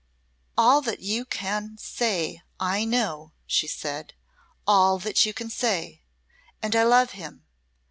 "All that you can say I know," she said "all that you can say! And I love him.